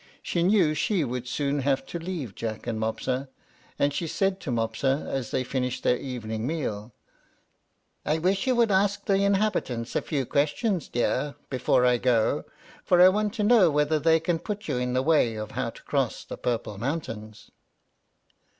She knew she should soon have to leave Jack and Mopsa, and she said to Mopsa, as they finished their evening meal, "I wish you would ask the inhabitants a few questions, dear, before I go, for I want to know whether they can put you in the way how to cross the purple mountains."